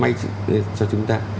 may cho chúng ta